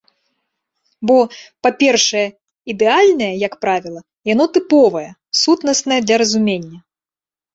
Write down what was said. Бо, па-першае, ідэальнае, як правіла, яно тыповае, сутнаснае для разумення.